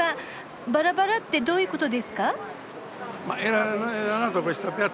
バラバラってどういうことですか？